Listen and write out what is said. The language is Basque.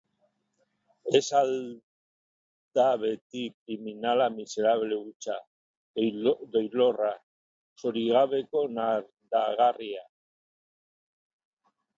Ez al da beti kriminala miserable hutsa, doilorra, zorigabeko nardagarria?